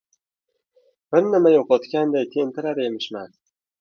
Bir nima yo‘qotganday tentirar emishman.